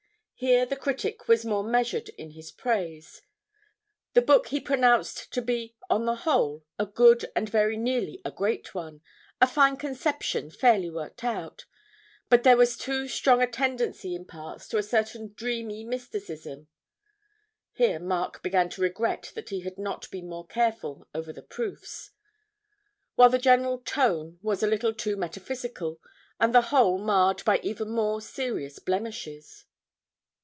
Here the critic was more measured in his praise. The book he pronounced to be on the whole a good and very nearly a great one, a fine conception fairly worked out, but there was too strong a tendency in parts to a certain dreamy mysticism (here Mark began to regret that he had not been more careful over the proofs), while the general tone was a little too metaphysical, and the whole marred by even more serious blemishes.